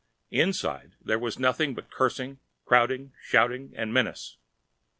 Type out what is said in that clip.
Inside there was nothing but cursing, crowding, shouting and menace.